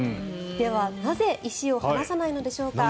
では、なぜ石を離さないのでしょうか。